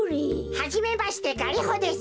はじめましてガリホです。